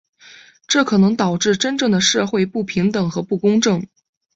这可能导致真正的社会不平等和不公正。